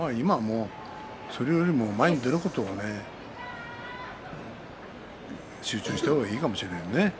今はそれよりも前に出ることに集中した方がいいかもしれないですね。